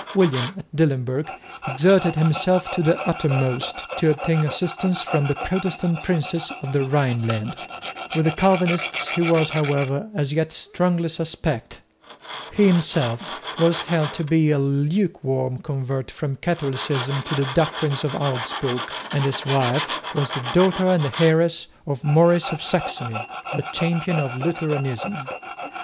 William at Dillenburg exerted himself to the uttermost to obtain assistance from the Protestant princes of the Rhineland. With the Calvinists he was, however, as yet strongly suspect. He himself was held to be a lukewarm convert from Catholicism to the doctrines of Augsburg; and his wife was the daughter and heiress of Maurice of Saxony, the champion of Lutheranism.